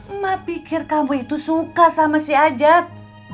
emak pikir kamu itu suka sama si ajat